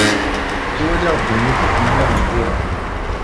Ttwaliɣ ddunit akken nniḍen tura.